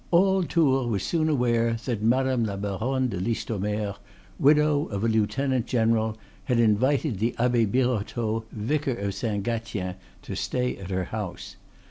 All Tours was soon aware that Madame la Baronne de Listomere, widow of a lieutenant general, had invited the Abbe Birotteau, vicar of Saint Gatien, to stay at her house.